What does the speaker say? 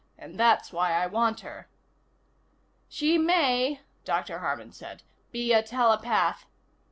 And that's why I want her." "She may," Dr. Harman said, "be a telepath."